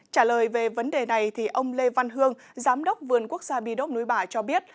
trả lời về vấn đề này ông lê văn hương giám đốc vườn quốc gia bi đốc núi bà cho biết